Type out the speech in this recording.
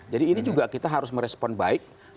jadi ini juga kita harus merespon baik